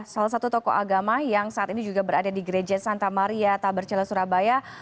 salah satu tokoh agama yang saat ini juga berada di gereja santa maria tabercela surabaya